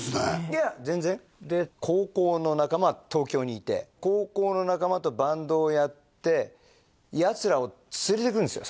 いや全然で高校の仲間は東京にいて高校の仲間とバンドをやってヤツらを連れてくんですよ